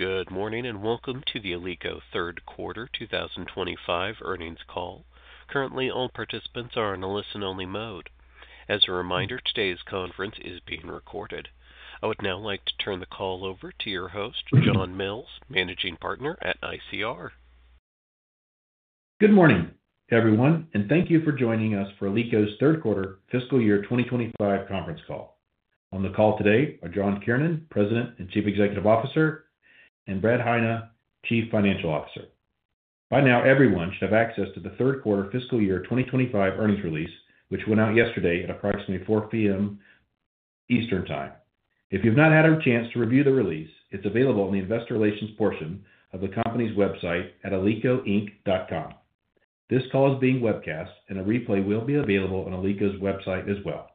Good morning and welcome to the Alico Third Quarter 2025 Earnings Call. Currently, all participants are in a listen-only mode. As a reminder, today's conference is being recorded. I would now like to turn the call over to your host, John Mills, Managing Partner at ICR. Good morning, everyone, and thank you for joining us for Alico's Third Quarter Fiscal Year 2025 conference call. On the call today are John Kiernan, President and Chief Executive Officer, and Brad Heine, Chief Financial Officer. By now, everyone should have access to the Third Quarter Fiscal Year 2025 earnings release, which went out yesterday at approximately 4:00 P.M. Eastern Time. If you have not had a chance to review the release, it's available in the Investor Relations portion of the company's website at alicoinc.com. This call is being webcast, and a replay will be available on Alico's website as well.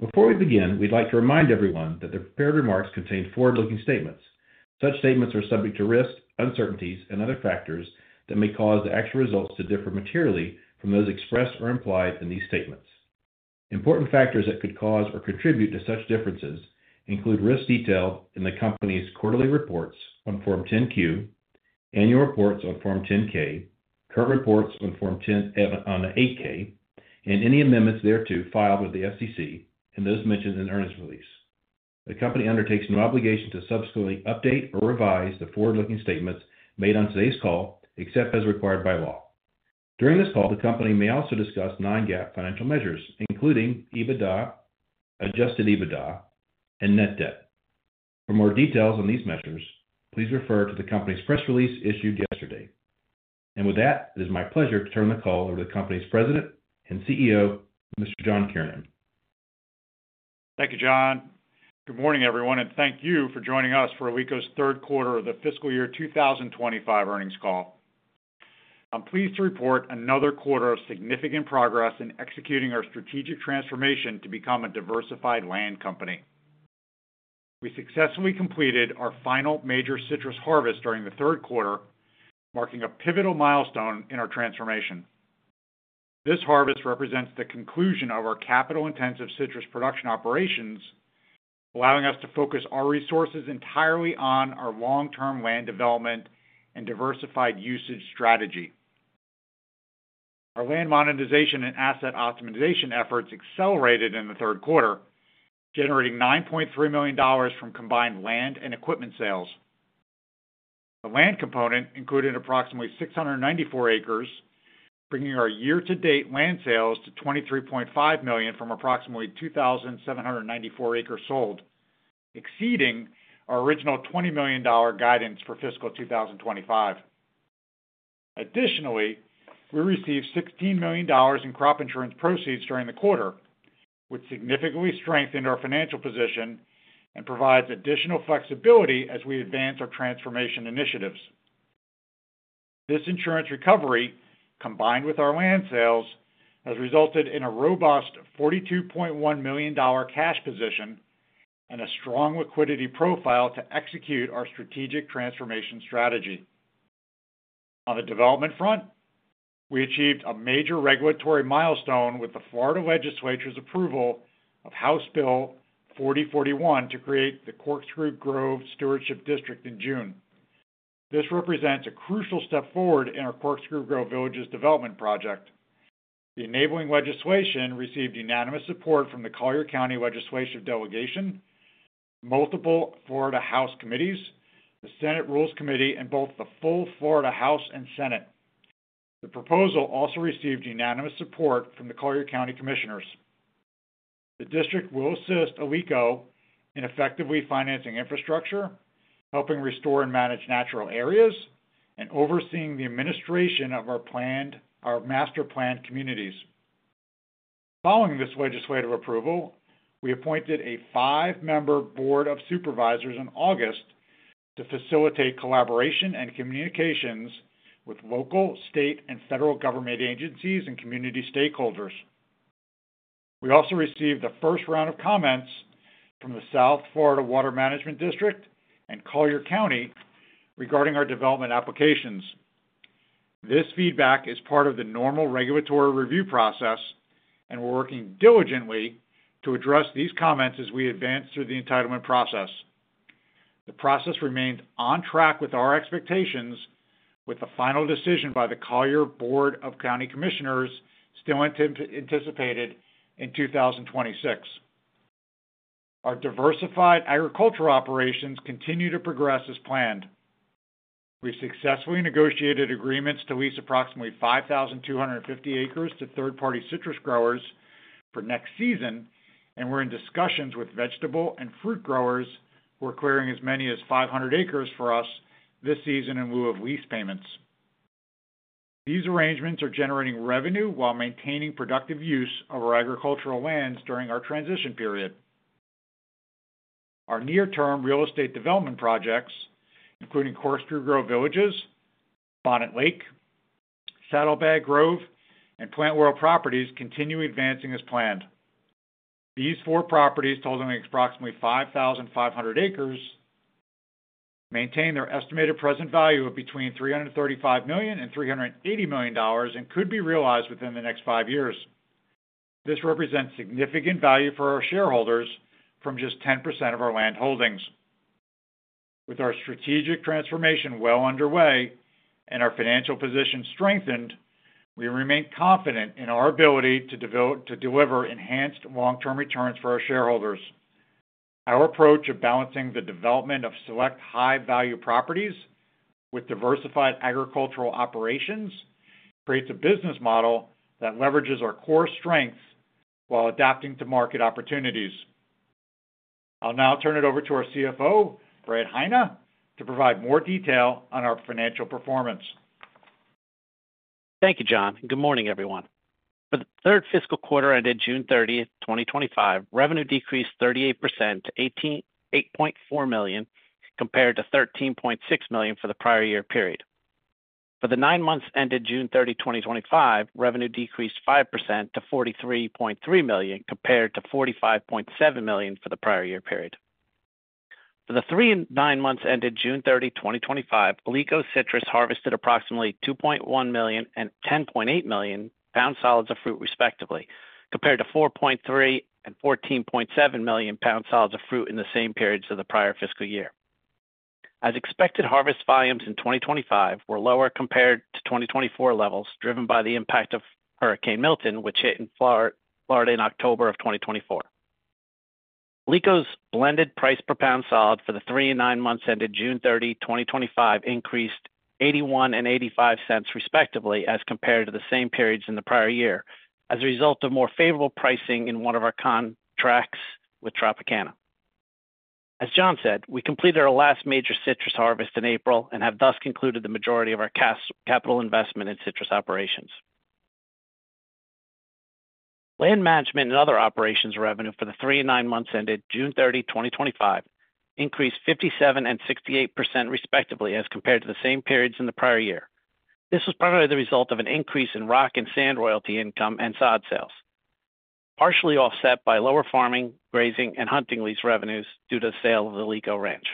Before we begin, we'd like to remind everyone that the prepared remarks contain forward-looking statements. Such statements are subject to risk, uncertainties, and other factors that may cause the actual results to differ materially from those expressed or implied in these statements. Important factors that could cause or contribute to such differences include risk detailed in the company's quarterly reports on Form 10-Q, annual reports on Form 10-K, current reports on Form 8-K, and any amendments thereto filed with the SEC and those mentioned in the earnings release. The company undertakes no obligation to subsequently update or revise the forward-looking statements made on today's call, except as required by law. During this call, the company may also discuss non-GAAP financial measures, including EBITDA, adjusted EBITDA, and net debt. For more details on these measures, please refer to the company's press release issued yesterday. With that, it is my pleasure to turn the call over to the company's President and CEO, Mr. John Kiernan. Thank you, John. Good morning, everyone, and thank you for joining us for Alico's Third Quarter of the Fiscal Year 2025 Earnings Call. I'm pleased to report another quarter of significant progress in executing our strategic transformation to become a diversified land company. We successfully completed our final major citrus harvest during the third quarter, marking a pivotal milestone in our transformation. This harvest represents the conclusion of our capital-intensive citrus production operations, allowing us to focus our resources entirely on our long-term land development and diversified usage strategy. Our land monetization and asset optimization efforts accelerated in the third quarter, generating $9.3 million from combined land and equipment sales. The land component included approximately 694 acres, bringing our year-to-date land sales to $23.5 million from approximately 2,794 acres sold, exceeding our original $20 million guidance for fiscal 2025. Additionally, we received $16 million in crop insurance proceeds during the quarter, which significantly strengthened our financial position and provides additional flexibility as we advance our transformation initiatives. This insurance recovery, combined with our land sales, has resulted in a robust $42.1 million cash position and a strong liquidity profile to execute our strategic transformation strategy. On the development front, we achieved a major regulatory milestone with the Florida Legislature's approval of House Bill 4041 to create the Corkscrew Grove Stewardship District in June. This represents a crucial step forward in our Corkscrew Grove Villages development project. The enabling legislation received unanimous support from the Collier County Legislative Delegation, multiple Florida House committees, the Senate Rules Committee, and both the full Florida House and Senate. The proposal also received unanimous support from the Collier County Commissioners. The district will assist Alico in effectively financing infrastructure, helping restore and manage natural areas, and overseeing the administration of our master planned communities. Following this legislative approval, we appointed a five-member Board of Supervisors in August to facilitate collaboration and communications with local, state, and federal government agencies and community stakeholders. We also received the first round of comments from the South Florida Water Management District and Collier County regarding our development applications. This feedback is part of the normal regulatory review process, and we're working diligently to address these comments as we advance through the entitlement process. The process remains on track with our expectations, with the final decision by the Collier Board of County Commissioners still anticipated in 2026. Our diversified agricultural operations continue to progress as planned. We successfully negotiated agreements to lease approximately 5,250 acres to third-party citrus growers for next season, and we're in discussions with vegetable and fruit growers who are clearing as many as 500 acres for us this season in lieu of lease payments. These arrangements are generating revenue while maintaining productive use of our agricultural lands during our transition period. Our near-term real estate development projects, including Corkscrew Grove Villages, Bonnet Lake, Saddlebag Grove, and Plant World Properties, continue advancing as planned. These four properties, totaling approximately 5,500 acres, maintain their estimated present value of between $335 million and $380 million and could be realized within the next five years. This represents significant value for our shareholders from just 10% of our land holdings. With our strategic transformation well underway and our financial position strengthened, we remain confident in our ability to deliver enhanced long-term returns for our shareholders. Our approach of balancing the development of select high-value properties with diversified agricultural operations creates a business model that leverages our core strengths while adapting to market opportunities. I'll now turn it over to our CFO, Brad Heine, to provide more detail on our financial performance. Thank you, John. Good morning, everyone. For the third fiscal quarter ended June 30, 2025, revenue decreased 38% to $18.4 million compared to $13.6 million for the prior year period. For the nine months ended June 30, 2025, revenue decreased 5% to $43.3 million compared to $45.7 million for the prior year period. For the three and nine months ended June 30, 2025, Alico Citrus harvested approximately 2.1 million and 10.8 million pound solids of fruit, respectively, compared to 4.3 million and 14.7 million pound solids of fruit in the same periods of the prior fiscal year. As expected, harvest volumes in 2025 were lower compared to 2024 levels, driven by the impact of Hurricane Milton, which hit in Florida in October of 2024. Alico's blended price per pound solid for the three and nine months ended June 30, 2025, increased $0.81 and $0.85, respectively, as compared to the same periods in the prior year, as a result of more favorable pricing in one of our contracts with Tropicana. As John said, we completed our last major citrus harvest in April and have thus concluded the majority of our capital investment in citrus operations. Land management and other operations revenue for the three and nine months ended June 30, 2025, increased 57% and 68%, respectively, as compared to the same periods in the prior year. This was primarily the result of an increase in rock and sand royalty income and sod sales, partially offset by lower farming, grazing, and hunting lease revenues due to the sale of the Alico Ranch.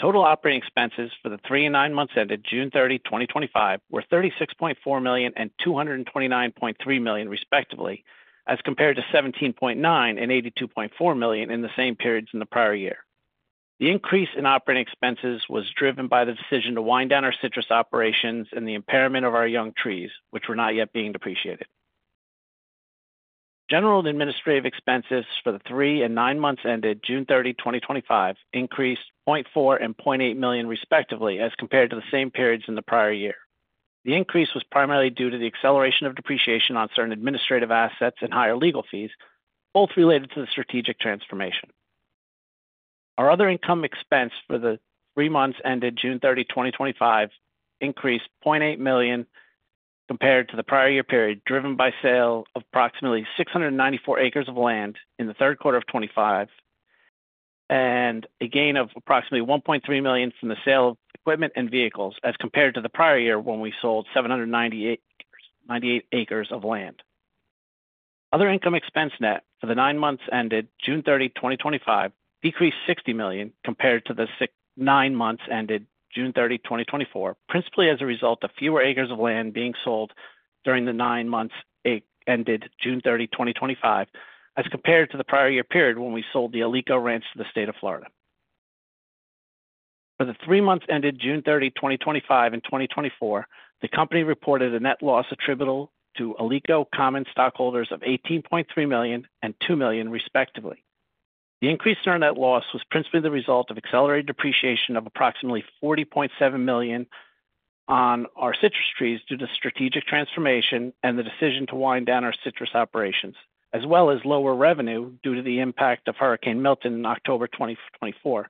Total operating expenses for the three and nine months ended June 30, 2025, were $36.4 million and $229.3 million, respectively, as compared to $17.9 million and $82.4 million in the same periods in the prior year. The increase in operating expenses was driven by the decision to wind down our citrus operations and the impairment of our young trees, which were not yet being depreciated. General and administrative expenses for the three and nine months ended June 30, 2025, increased $0.4 million and $0.8 million, respectively, as compared to the same periods in the prior year. The increase was primarily due to the acceleration of depreciation on certain administrative assets and higher legal fees, both related to the strategic transformation. Our other income expense for the three months ended June 30, 2025, increased $0.8 million compared to the prior year period, driven by the sale of approximately 694 acres of land in the third quarter of 2025 and a gain of approximately $1.3 million from the sale of equipment and vehicles as compared to the prior year when we sold 798 acres of land. Other income expense, net, for the nine months ended June 30, 2025, decreased $60 million compared to the nine months ended June 30, 2024, principally as a result of fewer acres of land being sold during the nine months ended June 30, 2025, as compared to the prior year period when we sold the Alico Ranch to the state of Florida. For the three months ended June 30, 2025, and 2024, the company reported a net loss attributable to Alico common stockholders of $18.3 million and $2 million, respectively. The increase in our net loss was principally the result of accelerated depreciation of approximately $40.7 million on our citrus trees due to strategic transformation and the decision to wind down our citrus operations, as well as lower revenue due to the impact of Hurricane Milton in October 2024.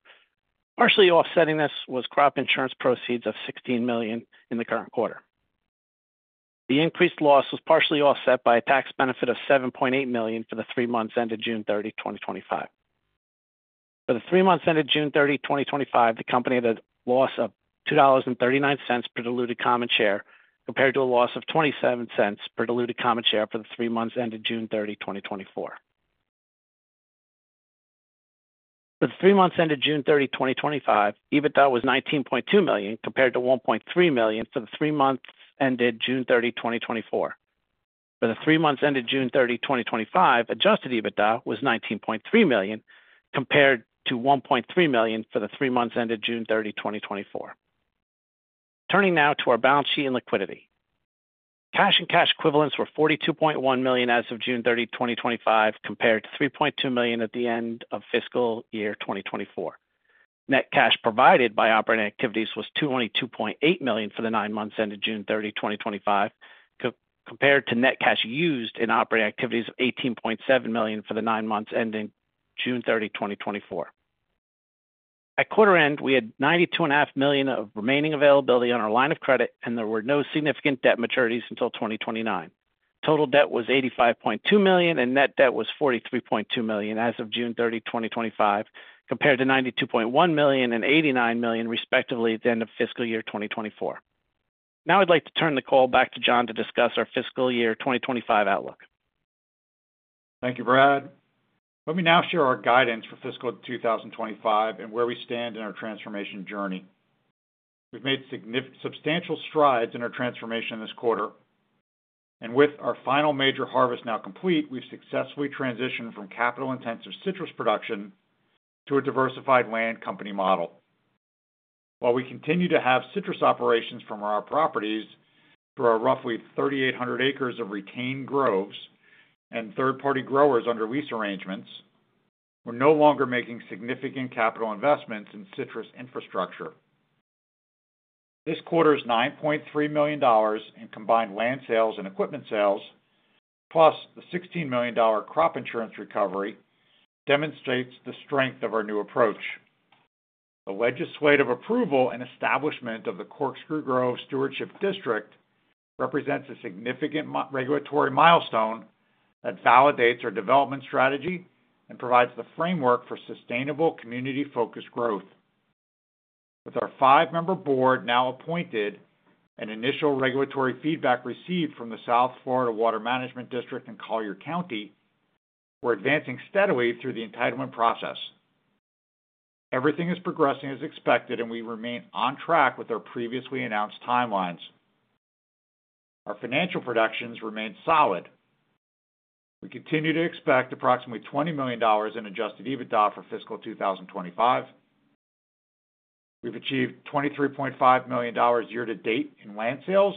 Partially offsetting this was crop insurance proceeds of $16 million in the current quarter. The increased loss was partially offset by a tax benefit of $7.8 million for the three months ended June 30, 2025. For the three months ended June 30, 2025, the company had a loss of $2.39 per diluted common share compared to a loss of $0.27 per diluted common share for the three months ended June 30, 2024. For the three months ended June 30, 2025, EBITDA was $19.2 million compared to $1.3 million for the three months ended June 30, 2024. For the three months ended June 30, 2025, adjusted EBITDA was $19.3 million compared to $1.3 million for the three months ended June 30, 2024. Turning now to our balance sheet and liquidity, cash and cash equivalents were $42.1 million as of June 30, 2025, compared to $3.2 million at the end of fiscal year 2024. Net cash provided by operating activities was $222.8 million for the nine months ended June 30, 2025, compared to net cash used in operating activities of $18.7 million for the nine months ending June 30, 2024. At quarter end, we had $92.5 million of remaining availability on our line of credit, and there were no significant debt maturities until 2029. Total debt was $85.2 million, and net debt was $43.2 million as of June 30, 2025, compared to $92.1 million and $89 million, respectively, at the end of fiscal year 2024. Now I'd like to turn the call back to John to discuss our fiscal year 2025 outlook. Thank you, Brad. Let me now share our guidance for fiscal 2025 and where we stand in our transformation journey. We've made substantial strides in our transformation this quarter, and with our final major harvest now complete, we've successfully transitioned from capital-intensive citrus production to a diversified land company model. While we continue to have citrus operations from our properties through our roughly 3,800 acres of retained groves and third-party growers under lease arrangements, we're no longer making significant capital investments in citrus infrastructure. This quarter's $9.3 million in combined land sales and equipment sales, plus the $16 million crop insurance recovery, demonstrates the strength of our new approach. The legislative approval and establishment of the Corkscrew Grove Stewardship District represents a significant regulatory milestone that validates our development strategy and provides the framework for sustainable community-focused growth. With our five-member board now appointed and initial regulatory feedback received from the South Florida Water Management District and Collier County, we're advancing steadily through the entitlement process. Everything is progressing as expected, and we remain on track with our previously announced timelines. Our financial projections remain solid. We continue to expect approximately $20 million in adjusted EBITDA for fiscal 2025. We've achieved $23.5 million year to date in land sales,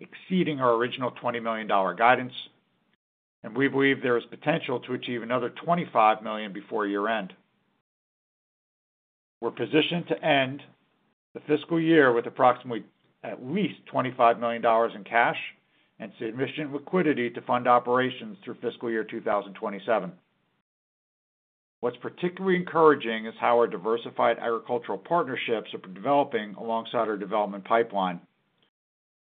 exceeding our original $20 million guidance, and we believe there is potential to achieve another $25 million before year end. We're positioned to end the fiscal year with approximately at least $25 million in cash and sufficient liquidity to fund operations through fiscal year 2027. What's particularly encouraging is how our diversified agricultural partnerships are developing alongside our development pipeline.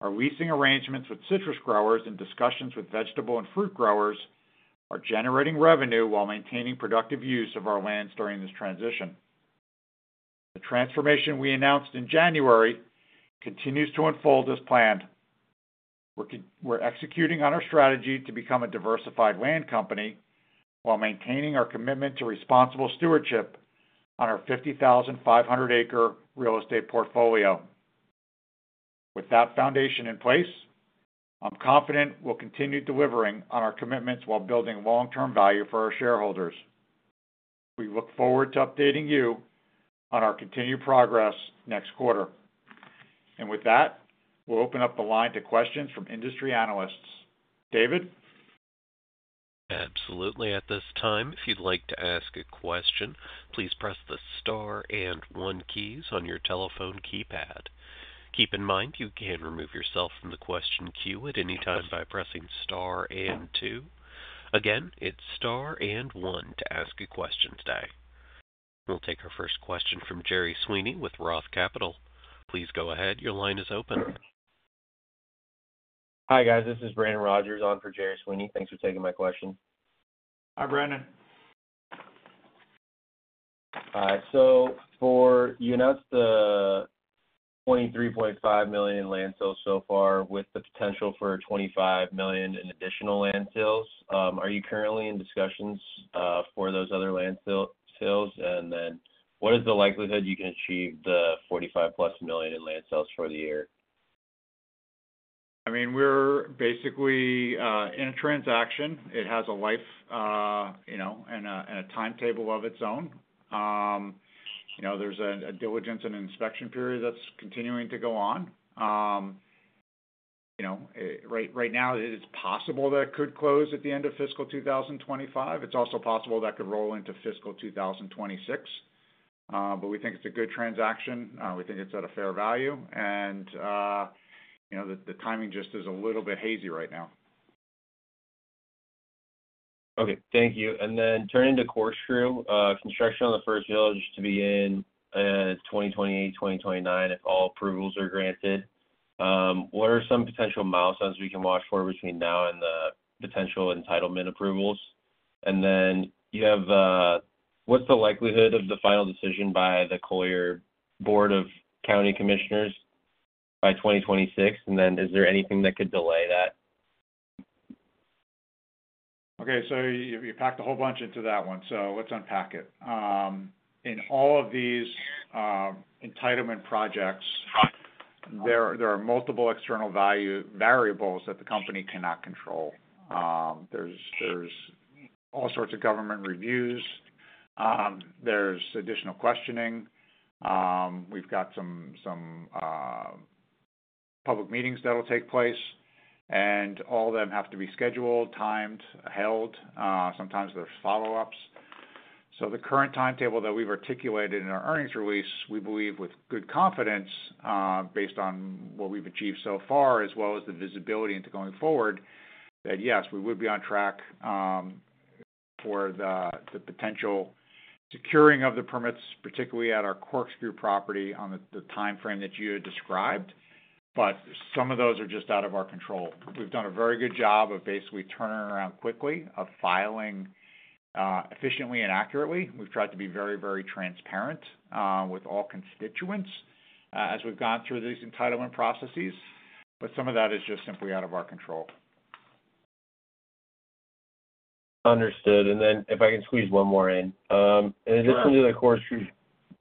Our leasing arrangements with citrus growers and discussions with vegetable and fruit growers are generating revenue while maintaining productive use of our lands during this transition. The transformation we announced in January continues to unfold as planned. We're executing on our strategy to become a diversified land company while maintaining our commitment to responsible stewardship on our 50,500 acre real estate portfolio. With that foundation in place, I'm confident we'll continue delivering on our commitments while building long-term value for our shareholders. We look forward to updating you on our continued progress next quarter. With that, we'll open up the line to questions from industry analysts. David? Absolutely. At this time, if you'd like to ask a question, please press the star and one keys on your telephone keypad. Keep in mind you can remove yourself from the question queue at any time by pressing star and two. Again, it's star and one to ask a question today. We'll take our first question from Jerry Sweeney with ROTH Capital. Please go ahead. Your line is open. Hi guys, this is Brandon Rogers on for Jerry Sweeney. Thanks for taking my question. Hi Brandon. For you announced the $23.5 million in land sales so far with the potential for $25 million in additional land sales. Are you currently in discussions for those other land sales? What is the likelihood you can achieve the $45+ million in land sales for the year? We're basically in a transaction. It has a life and a timetable of its own. There's a diligence and inspection period that's continuing to go on. Right now it's possible that it could close at the end of fiscal 2025. It's also possible that it could roll into fiscal 2026. We think it's a good transaction. We think it's at a fair value. The timing just is a little bit hazy right now. Okay. Thank you. Turning to Corkscrew, construction on the first floor is to be in 2028, 2029 if all approvals are granted. What are some potential milestones we can watch for between now and the potential entitlement approvals? What's the likelihood of the final decision by the Collier Board of County Commissioners by 2026? Is there anything that could delay that? Okay. You packed a whole bunch into that one. Let's unpack it. In all of these entitlement projects, there are multiple external value variables that the company cannot control. There are all sorts of government reviews, additional questioning, and we've got some public meetings that'll take place. All of them have to be scheduled, timed, held, and sometimes there's follow-ups. The current timetable that we've articulated in our earnings release, we believe with good confidence, based on what we've achieved so far as well as the visibility into going forward, that yes, we would be on track for the potential securing of the permits, particularly at our Corkscrew property on the timeframe that you had described. Some of those are just out of our control. We've done a very good job of basically turning around quickly, of filing efficiently and accurately. We've tried to be very, very transparent with all constituents as we've gone through these entitlement processes. Some of that is just simply out of our control. Understood. If I can squeeze one more in, in addition to the Corkscrew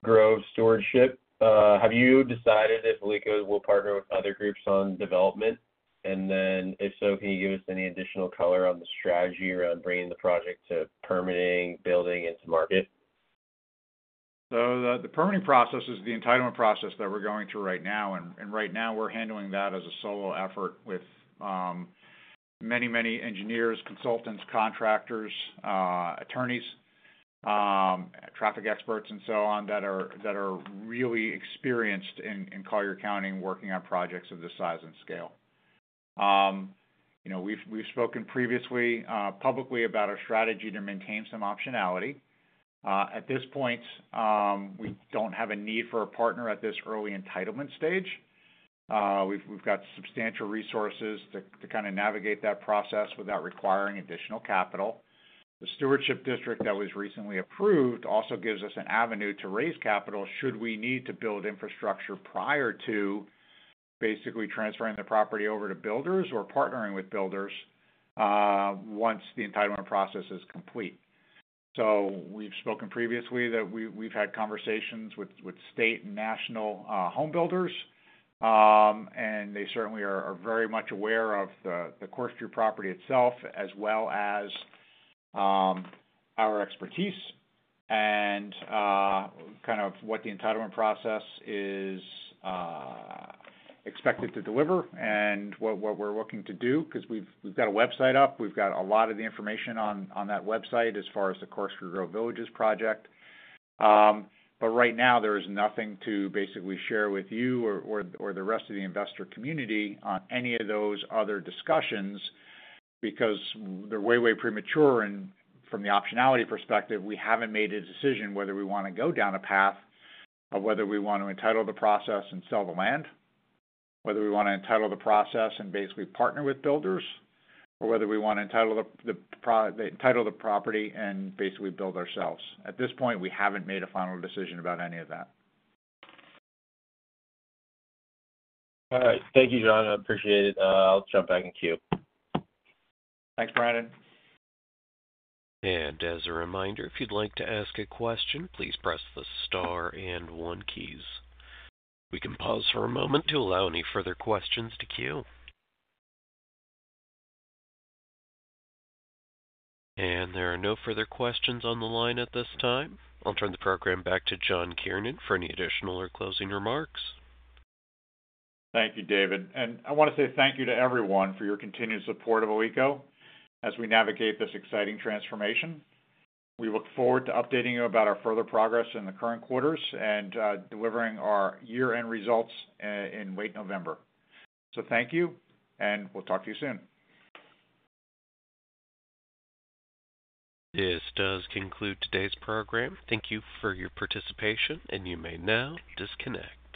Grove Stewardship, have you decided if Alico will partner with other groups on development? If so, can you give us any additional color on the strategy around bringing the project to permitting, building, and to market? The permitting process is the entitlement process that we're going through right now. Right now, we're handling that as a solo effort with many, many engineers, consultants, contractors, attorneys, traffic experts, and so on that are really experienced in Collier County working on projects of this size and scale. We've spoken previously publicly about our strategy to maintain some optionality. At this point, we don't have a need for a partner at this early entitlement stage. We've got substantial resources to kind of navigate that process without requiring additional capital. The stewardship district that was recently approved also gives us an avenue to raise capital should we need to build infrastructure prior to basically transferring the property over to builders or partnering with builders once the entitlement process is complete. We've spoken previously that we've had conversations with state and national home builders, and they certainly are very much aware of the Corkscrew property itself as well as our expertise and kind of what the entitlement process is expected to deliver and what we're looking to do because we've got a website up. We've got a lot of the information on that website as far as the Corkscrew Grove Villages project. Right now, there is nothing to basically share with you or the rest of the investor community on any of those other discussions because they're way, way premature. From the optionality perspective, we haven't made a decision whether we want to go down a path of whether we want to entitle the process and sell the land, whether we want to entitle the process and basically partner with builders, or whether we want to entitle the property and basically build ourselves. At this point, we haven't made a final decision about any of that. All right. Thank you, John. I appreciate it. I'll jump back in queue. Thanks, Brandon. As a reminder, if you'd like to ask a question, please press the star and one keys. We can pause for a moment to allow any further questions to queue. There are no further questions on the line at this time. I'll turn the program back to John Kiernan for any additional or closing remarks. Thank you, David. I want to say thank you to everyone for your continued support of Alico as we navigate this exciting transformation. We look forward to updating you about our further progress in the current quarters and delivering our year-end results in late November. Thank you, and we'll talk to you soon. This does conclude today's program. Thank you for your participation, and you may now disconnect.